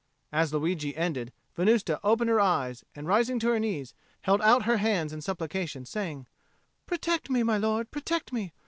As Luigi ended, Venusta opened her eyes, and, rising to her knees, held out her hands in supplication, saying, "Protect me, my lord, protect me.